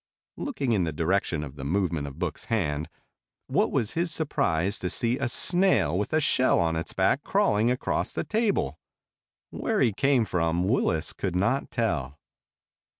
Looking in the direction of the movement of Book's hand, what was his surprise to see a snail with a shell on his back crawling across the table. Where he came from, Willis could not tell.